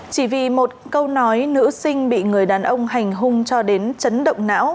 chỉ vì một câu nói nữ sinh bị người đàn ông hành hung cho đến chấn động não